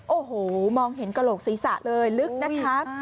โอ้โหมองเห็นกระโหลกศีรษะเลยลึกนะคะ